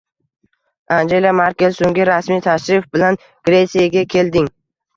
Angela Merkel so‘nggi rasmiy tashrif bilan Gretsiyaga kelding